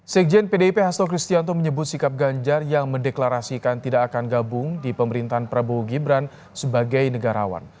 sekjen pdip hasto kristianto menyebut sikap ganjar yang mendeklarasikan tidak akan gabung di pemerintahan prabowo gibran sebagai negarawan